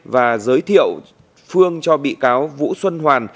và giới thiệu phương cho bị cáo vũ xuân hoàn